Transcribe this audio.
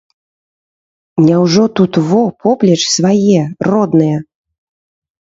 Няўжо тут во, поплеч, свае, родныя?